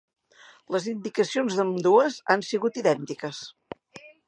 Les indicacions d'ambdues han sigut idèntiques.